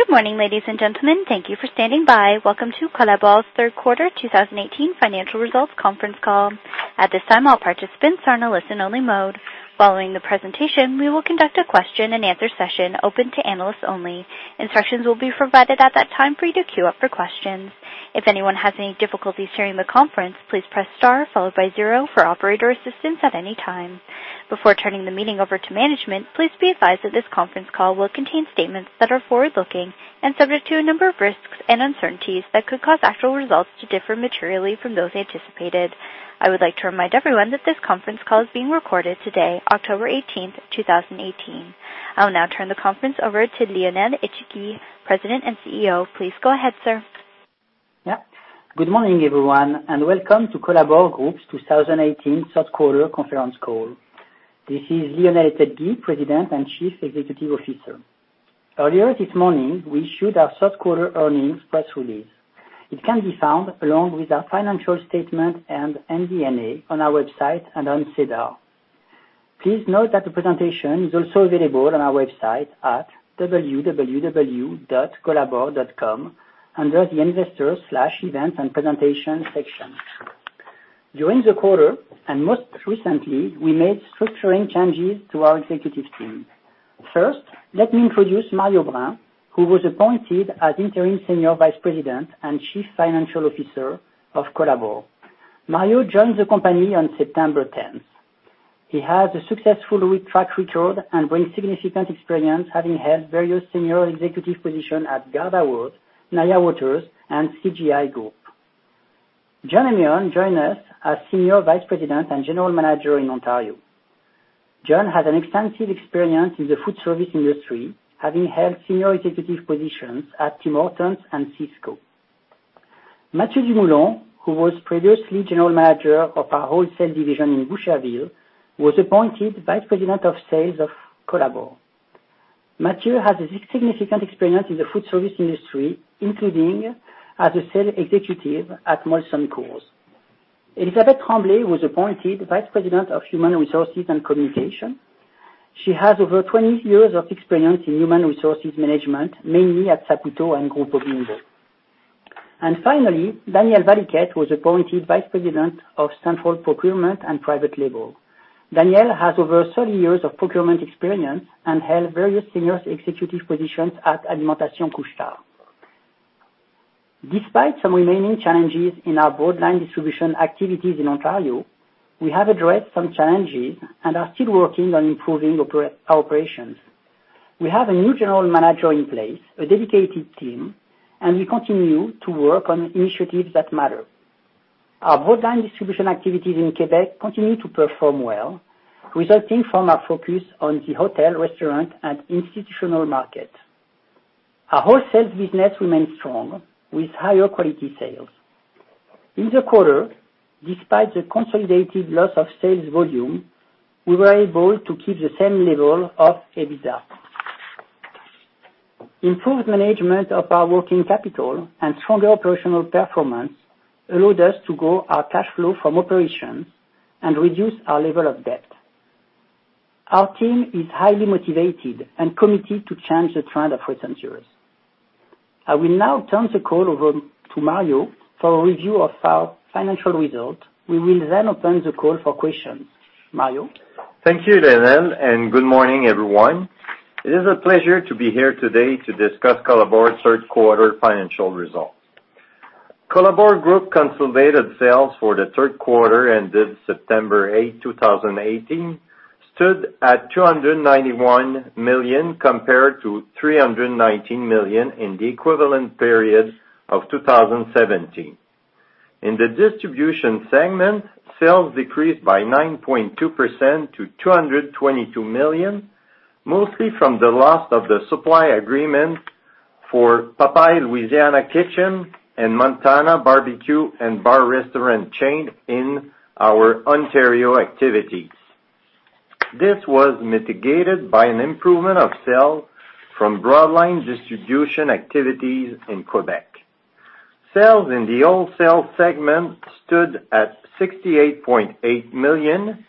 Good morning, ladies and gentlemen. Thank you for standing by. Welcome to Colabor's third quarter 2018 financial results conference call. At this time, all participants are in a listen-only mode. Following the presentation, we will conduct a question and answer session open to analysts only. Instructions will be provided at that time for you to queue up for questions. If anyone has any difficulties hearing the conference, please press star followed by zero for operator assistance at any time. Before turning the meeting over to management, please be advised that this conference call will contain statements that are forward-looking and subject to a number of risks and uncertainties that could cause actual results to differ materially from those anticipated. I would like to remind everyone that this conference call is being recorded today, October 18, 2018. I will now turn the conference over to Lionel Ettedgui, President and CEO. Please go ahead, sir. Good morning, everyone, and welcome to Colabor Group's 2018 third quarter conference call. This is Lionel Ettedgui, President and Chief Executive Officer. Earlier this morning, we issued our third quarter earnings press release. It can be found along with our financial statement and MD&A on our website and on SEDAR. Please note that the presentation is also available on our website at www.colabor.com under the Investors/Events and Presentation section. During the quarter, and most recently, we made structuring changes to our executive team. First, let me introduce Mario Brin, who was appointed as Interim Senior Vice President and Chief Financial Officer of Colabor. Mario joined the company on September 10. He has a successful track record and brings significant experience, having held various Senior Executive positions at GardaWorld, Naya Waters, and CGI Group. John Amion joined us as Senior Vice President and General Manager in Ontario. John has an extensive experience in the food service industry, having held Senior Executive positions at Tim Hortons and Sysco. Mathieu Dumoulin, who was previously General Manager of our wholesale division in Boucherville, was appointed Vice President of Sales of Colabor. Matthew has significant experience in the food service industry, including as a sales executive at Molson Coors. Elisabeth Tremblay was appointed Vice President of Human Resources and Communication. She has over 20 years of experience in human resources management, mainly at Saputo and Groupe Bibeau. Finally, Daniel Valiquette was appointed Vice President of Central Procurement and Private Label. Daniel has over 30 years of procurement experience and held various Senior Executive positions at Alimentation Couche-Tard. Despite some remaining challenges in our broad line distribution activities in Ontario, we have addressed some challenges and are still working on improving our operations. We have a new general manager in place, a dedicated team, and we continue to work on initiatives that matter. Our broad line distribution activities in Quebec continue to perform well, resulting from our focus on the hotel, restaurant, and institutional market. Our wholesale business remains strong with higher quality sales. In the quarter, despite the consolidated loss of sales volume, we were able to keep the same level of EBITDA. Improved management of our working capital and stronger operational performance allowed us to grow our cash flow from operations and reduce our level of debt. Our team is highly motivated and committed to change the trend of recent years. I will now turn the call over to Mario for a review of our financial results. We will then open the call for questions. Mario. Thank you, Lionel, good morning, everyone. It is a pleasure to be here today to discuss Colabor Group's third quarter financial results. Colabor Group consolidated sales for the third quarter ended September 8, 2018, stood at 291 million compared to 319 million in the equivalent period of 2017. In the distribution segment, sales decreased by 9.2% to 222 million, mostly from the loss of the supply agreement for Popeyes Louisiana Kitchen and Montana's BBQ & Bar restaurant chain in our Ontario activities. This was mitigated by an improvement of sales from broadline distribution activities in Quebec. Sales in the wholesale segment stood at 68.8 million,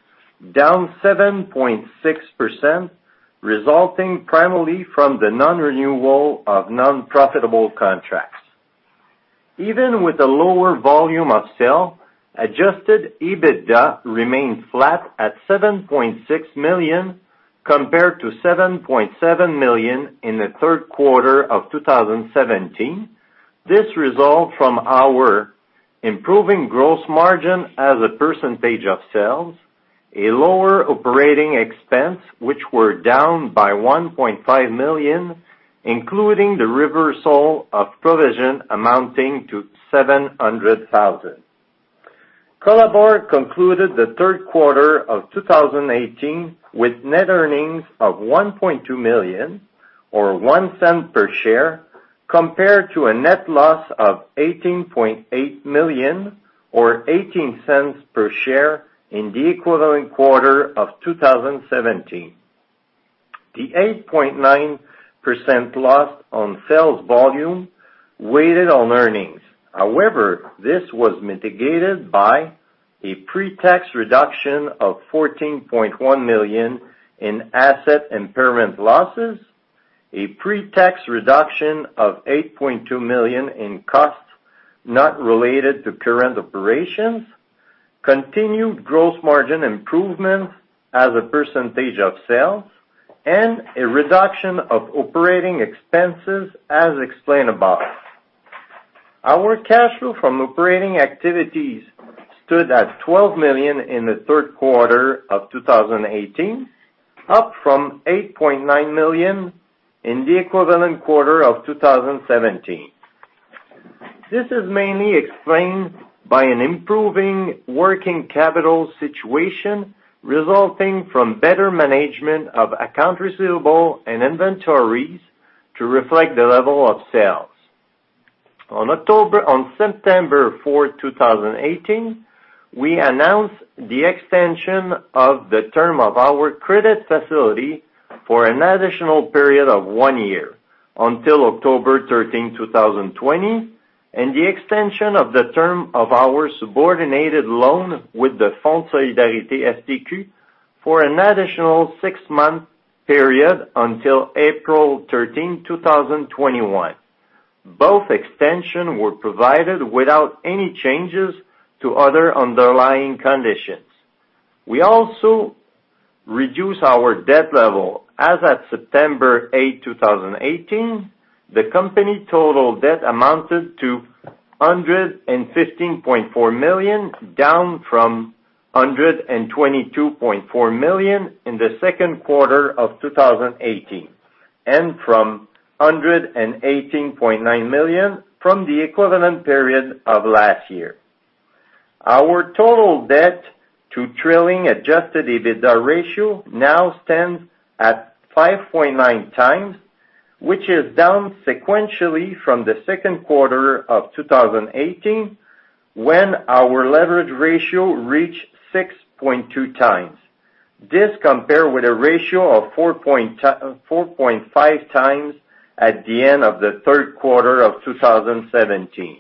down 7.6%, resulting primarily from the non-renewal of non-profitable contracts. Even with a lower volume of sale, adjusted EBITDA remained flat at 7.6 million compared to 7.7 million in the third quarter of 2017. This result from our improving gross margin as a percentage of sales, a lower operating expense, which were down by 1.5 million, including the reversal of provision amounting to 700,000. Colabor concluded the third quarter of 2018 with net earnings of 1.2 million or 0.01 per share compared to a net loss of 18.8 million or 0.18 per share in the equivalent quarter of 2017. The 8.9% loss on sales volume weighed on earnings. This was mitigated by a pre-tax reduction of 14.1 million in asset impairment losses, a pre-tax reduction of 8.2 million in costs not related to current operations, continued gross margin improvements as a percentage of sales, a reduction of operating expenses as explained above. Our cash flow from operating activities stood at 12 million in the third quarter of 2018, up from 8.9 million in the equivalent quarter of 2017. This is mainly explained by an improving working capital situation, resulting from better management of account receivable and inventories to reflect the level of sales. On September 4, 2018, we announced the extension of the term of our credit facility for an additional period of one year, until October 13, 2020, and the extension of the term of our subordinated loan with the Fonds de solidarité FTQ for an additional six-month period until April 13, 2021. Both extensions were provided without any changes to other underlying conditions. We also reduced our debt level. As at September 8, 2018, the company total debt amounted to 115.4 million, down from 122.4 million in the second quarter of 2018, and from 118.9 million from the equivalent period of last year. Our total debt to trailing adjusted EBITDA ratio now stands at 5.9 times, which is down sequentially from the second quarter of 2018, when our leverage ratio reached 6.2 times. This compares with a ratio of 4.5 times at the end of the third quarter of 2017.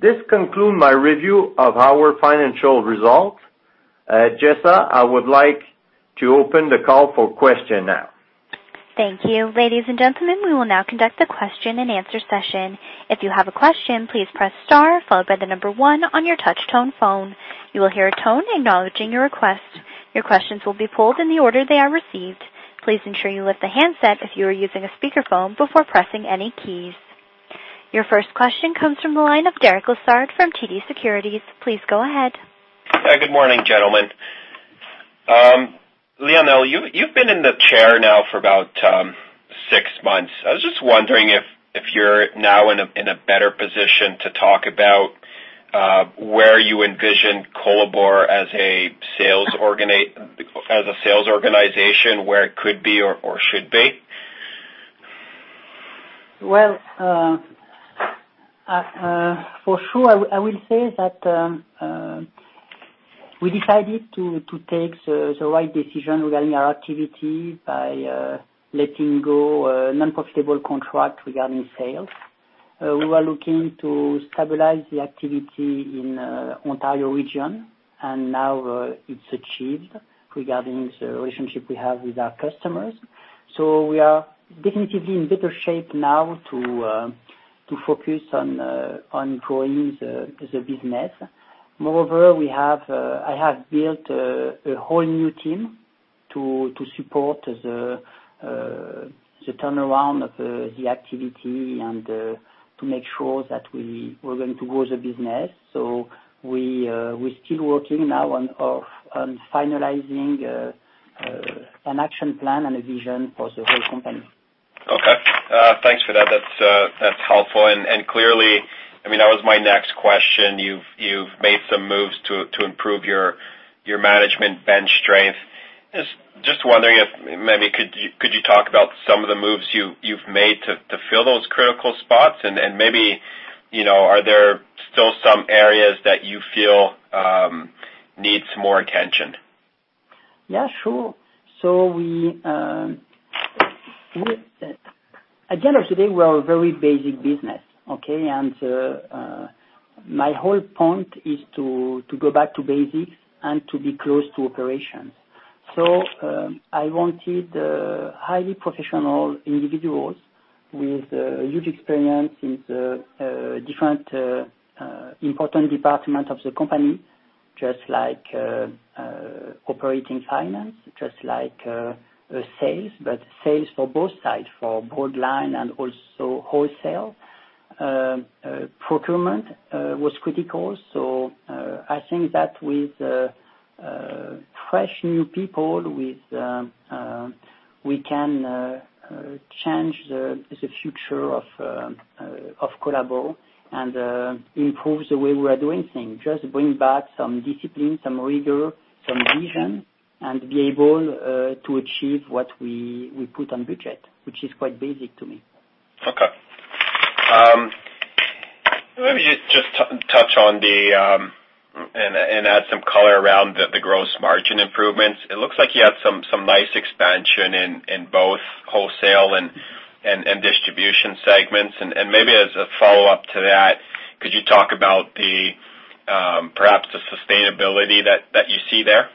This concludes my review of our financial results. Jessa, I would like to open the call for questions now. Thank you. Ladies and gentlemen, we will now conduct a question-and-answer session. If you have a question, please press star followed by the number 1 on your touch tone phone. You will hear a tone acknowledging your request. Your questions will be pulled in the order they are received. Please ensure you lift the handset if you are using a speakerphone before pressing any keys. Your first question comes from the line of Derek Lessard from TD Securities. Please go ahead. Good morning, gentlemen. Lionel, you've been in the chair now for about six months. I was just wondering if you're now in a better position to talk about where you envision Colabor as a sales organization, where it could be or should be. For sure, I will say that we decided to take the right decisions regarding our activity by letting go non-profitable contracts regarding sales. We were looking to stabilize the activity in Ontario region. Now it's achieved regarding the relationship we have with our customers. We are definitely in better shape now to focus on growing the business. Moreover, I have built a whole new team to support the turnaround of the activity and to make sure that we're going to grow the business. We're still working now on finalizing an action plan and a vision for the whole company. Okay. Thanks for that. That's helpful. Clearly, that was my next question. You've made some moves to improve your management bench strength. Just wondering if maybe could you talk about some of the moves you've made to fill those critical spots and maybe are there still some areas that you feel needs more attention? Yeah, sure. At the end of the day, we're a very basic business, okay? My whole point is to go back to basics and to be close to operations. I wanted highly professional individuals with huge experience in the different important department of the company, just like operating finance, just like sales, but sales for both sides, for broad line and also wholesale. Procurement was critical. I think that with fresh new people, we can change the future of Colabor and improve the way we are doing things. Just bring back some discipline, some rigor, some vision, and be able to achieve what we put on budget, which is quite basic to me. Okay. Maybe just touch on and add some color around improvements. It looks like you had some nice expansion in both wholesale and distribution segments. Maybe as a follow-up to that, could you talk about perhaps the sustainability that you see there?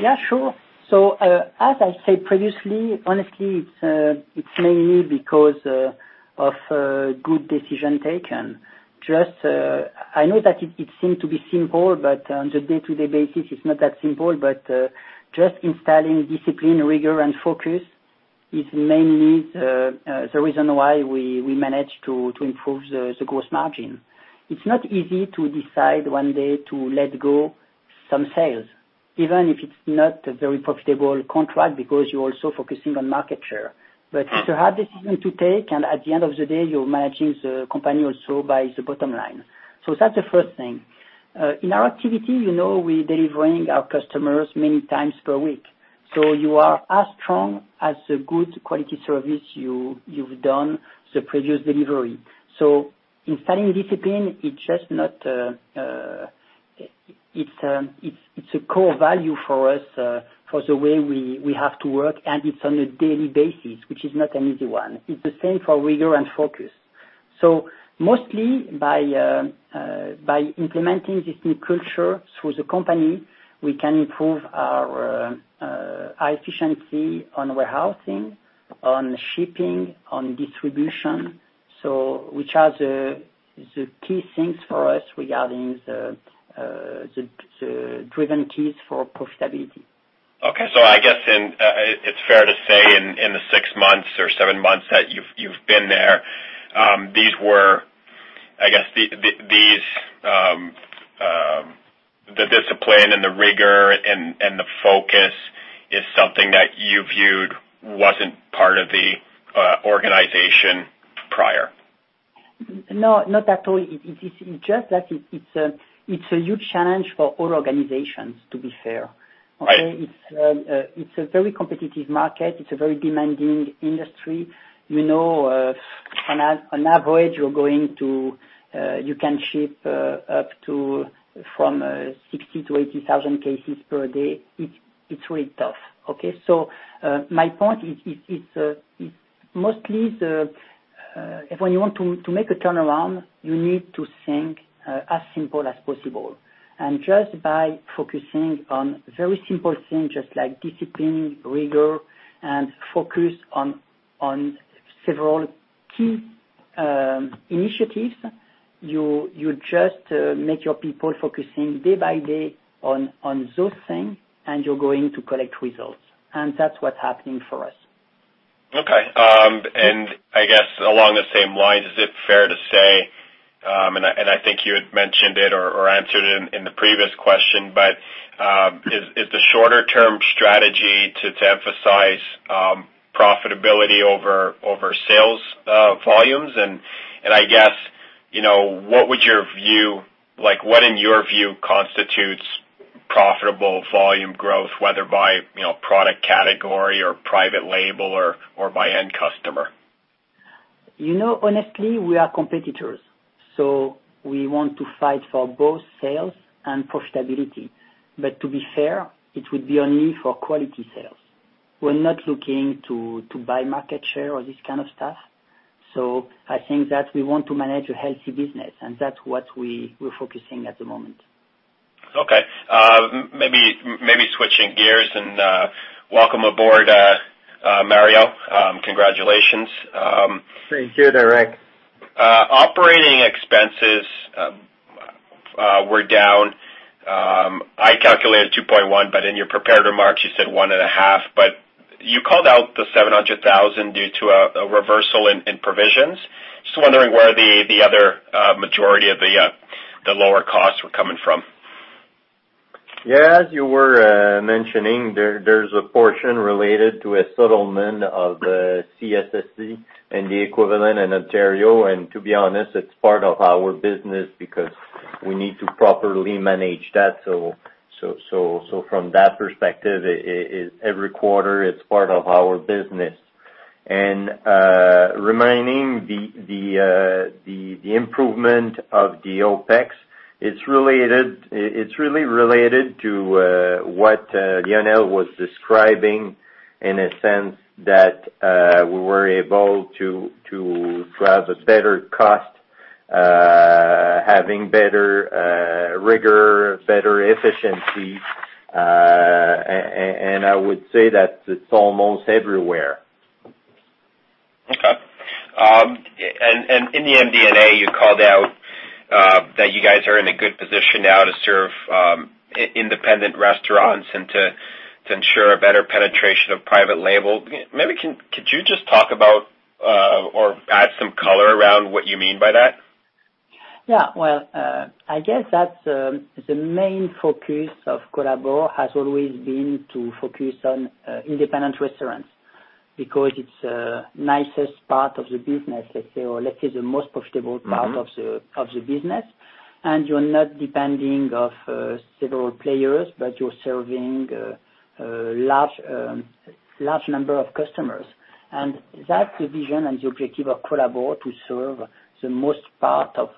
Yeah, sure. As I said previously, honestly, it's mainly because of a good decision taken. I know that it seems to be simple, but on the day-to-day basis, it's not that simple. Just installing discipline, rigor, and focus is mainly the reason why we managed to improve the gross margin. It's not easy to decide one day to let go some sales, even if it's not a very profitable contract, because you're also focusing on market share. It's a hard decision to take, and at the end of the day, you're managing the company also by the bottom line. That's the first thing. In our activity, we're delivering our customers many times per week. You are as strong as the good quality service you've done the previous delivery. Installing discipline, it's a core value for us for the way we have to work, and it's on a daily basis, which is not an easy one. It's the same for rigor and focus. Mostly by implementing discipline culture through the company, we can improve our high efficiency on warehousing, on shipping, on distribution. Which are the key things for us regarding the driven keys for profitability. Okay. I guess it's fair to say in the six months or seven months that you've been there, the discipline and the rigor and the focus is something that you viewed wasn't part of the organization prior. No, not at all. It's just that it's a huge challenge for all organizations, to be fair. Right. It's a very competitive market. It's a very demanding industry. On average, you can ship up to from 60,000 to 80,000 cases per day. It's really tough. Okay. My point is, mostly when you want to make a turnaround, you need to think as simple as possible. Just by focusing on very simple things, just like discipline, rigor, and focus on several key initiatives, you just make your people focusing day by day on those things, and you're going to collect results. That's what's happening for us. Okay. I guess along the same lines, is it fair to say, I think you had mentioned it or answered it in the previous question, is the shorter-term strategy to emphasize profitability over sales volumes? I guess, what in your view constitutes profitable volume growth, whether by product category or private label or by end customer? Honestly, we are competitors, we want to fight for both sales and profitability. To be fair, it would be only for quality sales. We're not looking to buy market share or this kind of stuff. I think that we want to manage a healthy business, and that's what we're focusing at the moment. Okay. Maybe switching gears, welcome aboard, Mario. Congratulations. Thank you, Derek. Operating expenses were down. I calculated 2.1, in your prepared remarks, you said 1.5. You called out the 700,000 due to a reversal in provisions. Just wondering where the other majority of the lower costs were coming from. Yeah, as you were mentioning, there's a portion related to a settlement of the CSST and the equivalent in Ontario. To be honest, it's part of our business because we need to properly manage that. From that perspective, every quarter, it's part of our business. Remaining the improvement of the OPEX, it's really related to what Lionel was describing in a sense that we were able to drive a better cost, having better rigor, better efficiency. I would say that it's almost everywhere. Okay. In the MD&A, you called out that you guys are in a good position now to serve independent restaurants and to ensure a better penetration of private label. Maybe could you just talk about or add some color around what you mean by that? Yeah. Well, I guess the main focus of Colabor has always been to focus on independent restaurants because it's the nicest part of the business, let's say, or let's say the most profitable part of the business. You're not depending of several players, but you're serving a large number of customers. That's the vision and the objective of Colabor, to serve the most part of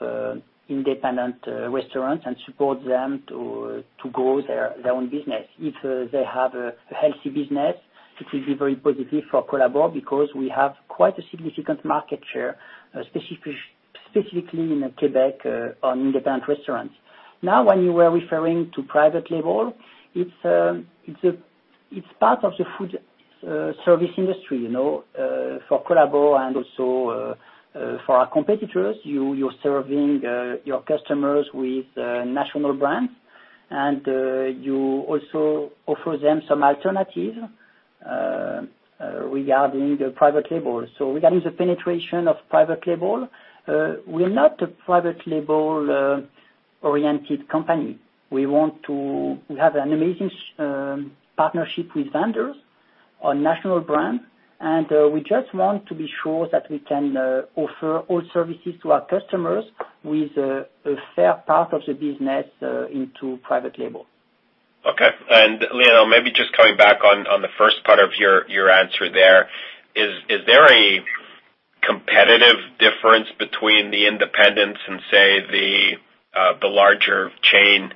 independent restaurants and support them to grow their own business. If they have a healthy business, it will be very positive for Colabor because we have quite a significant market share, specifically in Quebec on independent restaurants. When you were referring to private label, it's part of the food service industry. For Colabor and also for our competitors, you're serving your customers with national brands, you also offer them some alternative regarding the private label. Regarding the penetration of private label, we're not a private label-oriented company. We have an amazing partnership with vendors on national brands, and we just want to be sure that we can offer all services to our customers with a fair part of the business into private label. Okay. Lionel, maybe just coming back on the first part of your answer there. Is there a competitive difference between the independents and, say, the larger chain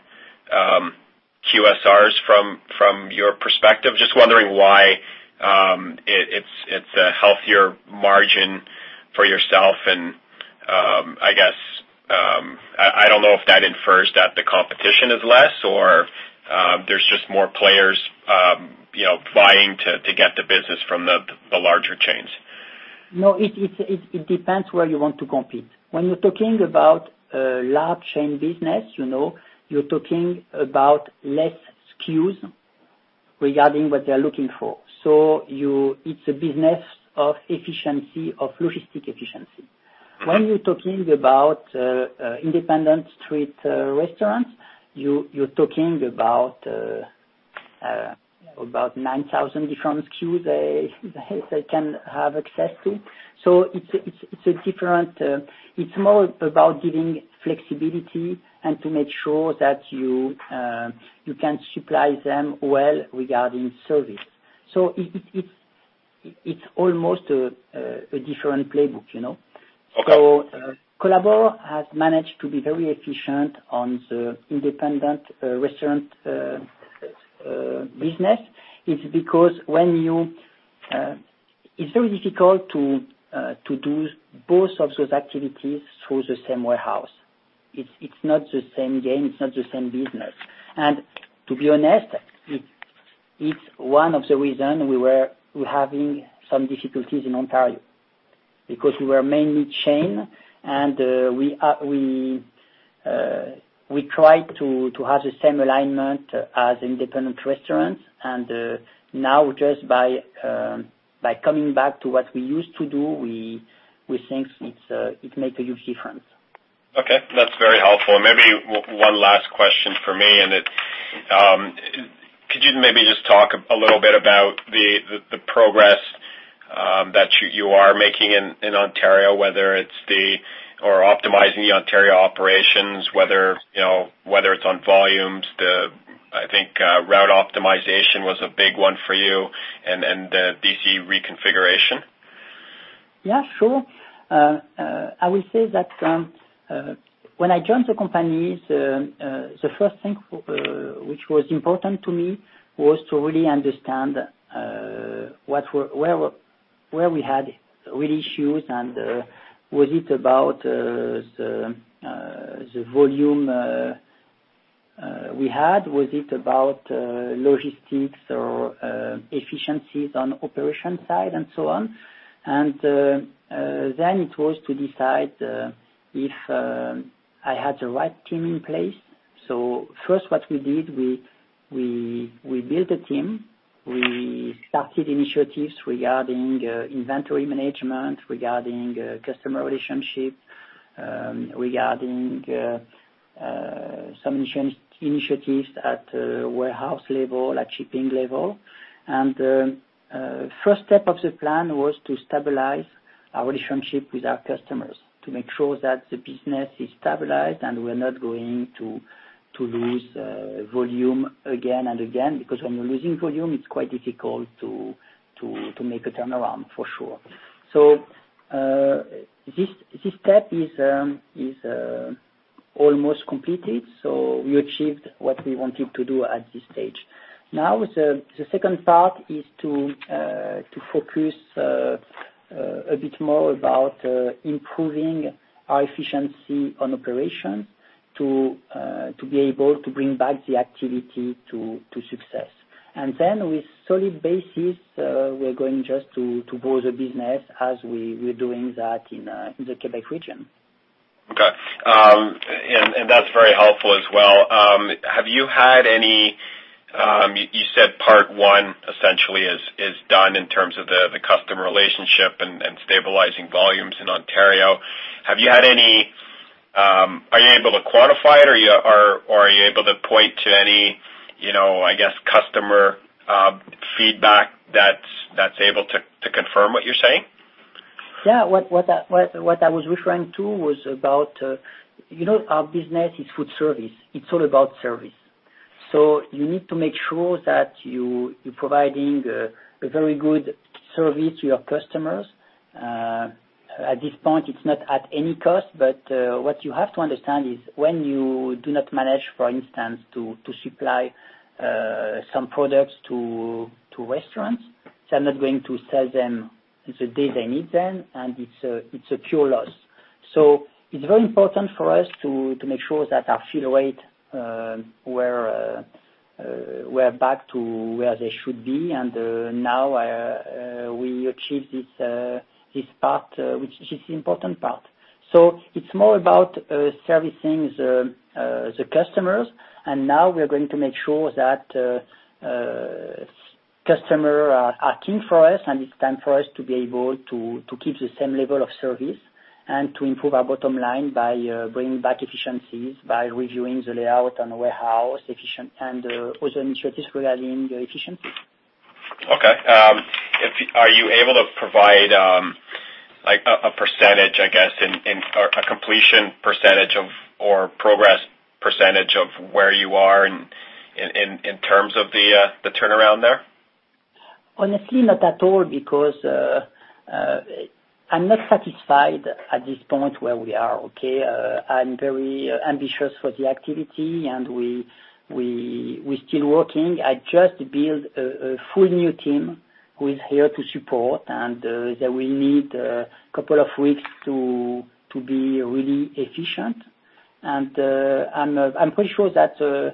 QSRs from your perspective? Just wondering why it's a healthier margin for yourself and I guess, I don't know if that infers that the competition is less or there's just more players vying to get the business from the larger chains. No, it depends where you want to compete. When you're talking about large chain business, you're talking about less SKUs regarding what they're looking for. It's a business of logistic efficiency. When you're talking about independent street restaurants, you're talking about 9,000 different SKUs they can have access to. It's different. It's more about giving flexibility and to make sure that you can supply them well regarding service. It's almost a different playbook. Okay. Colabor has managed to be very efficient on the independent restaurant business. It's very difficult to do both of those activities through the same warehouse. It's not the same game. It's not the same business. To be honest, it's one of the reason we're having some difficulties in Ontario, because we were mainly chain, and we try to have the same alignment as independent restaurants. Now just by coming back to what we used to do, we think it makes a huge difference. Okay. That's very helpful. Maybe one last question from me. Could you maybe just talk a little bit about the progress that you are making in Ontario, whether it's optimizing the Ontario operations, whether it's on volumes, the, I think, route optimization was a big one for you and the DC reconfiguration? Yeah, sure. I will say that when I joined the company, the first thing which was important to me was to really understand where we had real issues, and was it about the volume we had? Was it about logistics or efficiencies on operation side and so on? Then it was to decide if I had the right team in place. First, what we did, we built a team. We started initiatives regarding inventory management, regarding customer relationship, regarding some initiatives at warehouse level, at shipping level. First step of the plan was to stabilize our relationship with our customers to make sure that the business is stabilized and we're not going to lose volume again and again. When you're losing volume, it's quite difficult to make a turnaround, for sure. This step is almost completed. We achieved what we wanted to do at this stage. Now, the second part is to focus a bit more about improving our efficiency on operation to be able to bring back the activity to success. Then with solid basis, we're going just to grow the business as we're doing that in the Quebec region. Okay. That's very helpful as well. You said part one essentially is done in terms of the customer relationship and stabilizing volumes in Ontario. Are you able to quantify it or are you able to point to any Confirm what you're saying? Yeah. What I was referring to was about our business is food service. It's all about service. You need to make sure that you're providing a very good service to your customers. At this point, it's not at any cost, but what you have to understand is when you do not manage, for instance, to supply some products to restaurants, they're not going to sell them the day they need them, and it's a pure loss. It's very important for us to make sure that our fill rate, we're back to where they should be. Now we achieve this part, which is the important part. It's more about servicing the customers. Now we are going to make sure that customer are keen for us, and it's time for us to be able to keep the same level of service and to improve our bottom line by bringing back efficiencies, by reviewing the layout and warehouse efficiency and other initiatives regarding the efficiencies. Okay. Are you able to provide a percentage, I guess, a completion percentage or progress percentage of where you are in terms of the turnaround there? Honestly, not at all, because I'm not satisfied at this point where we are, okay? I'm very ambitious for the activity, and we still working. I just built a full new team who is here to support, and they will need a couple of weeks to be really efficient. I'm pretty sure that so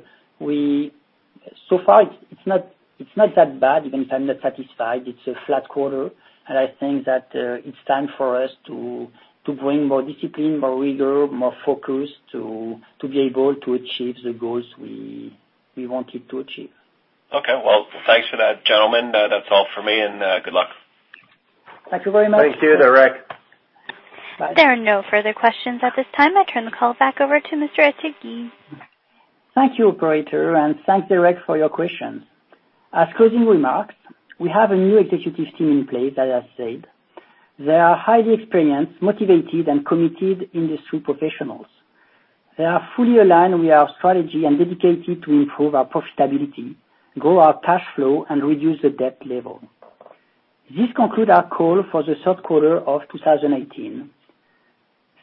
far it's not that bad, even if I'm not satisfied. It's a flat quarter, and I think that it's time for us to bring more discipline, more rigor, more focus to be able to achieve the goals we wanted to achieve. Okay. Well, thanks for that, gentlemen. That's all for me, and good luck. Thank you very much. Thank you, Derek. There are no further questions at this time. I turn the call back over to Mr. Ettedgui. Thank you, operator, thanks, Derek, for your question. As closing remarks, we have a new executive team in place, as I said. They are highly experienced, motivated, and committed industry professionals. They are fully aligned with our strategy and dedicated to improve our profitability, grow our cash flow, and reduce the debt level. This concludes our call for the third quarter of 2018.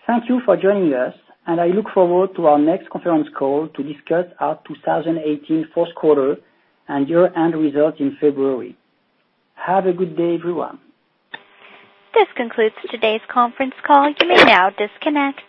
Thank you for joining us, and I look forward to our next conference call to discuss our 2018 fourth quarter and year-end results in February. Have a good day, everyone. This concludes today's conference call. You may now disconnect.